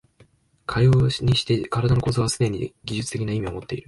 かようにして身体の構造はすでに技術的な意味をもっている。